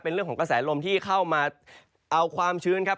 เป็นเรื่องของกระแสลมที่เข้ามาเอาความชื้นครับ